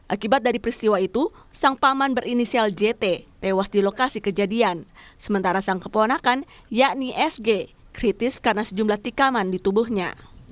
akibat dari peristiwa itu sang paman berinisial jt tewas di lokasi kejadian sementara sang keponakan yakni fg kritis karena sejumlah tikaman di tubuhnya